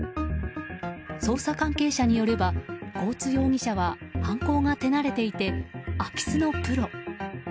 捜査関係者によれば合津容疑者は犯行が手慣れていて空き巣のプロ。